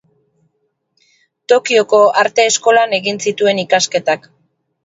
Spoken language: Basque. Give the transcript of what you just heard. Tokioko Arte Eskolan egin zituen ikasketak.